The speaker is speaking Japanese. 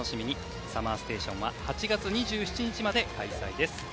「ＳＵＭＭＥＲＳＴＡＴＩＯＮ」は８月２７日まで開催です。